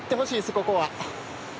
ここは。